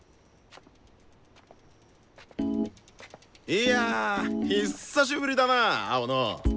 いやひっさしぶりだな青野！